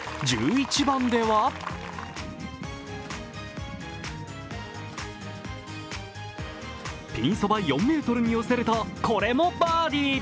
１１番では、ピンそば４ｍに寄せると、これもバーディー。